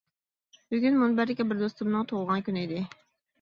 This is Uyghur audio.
بۈگۈن مۇنبەردىكى بىر دوستۇمنىڭ تۇغۇلغان كۈنى ئىدى.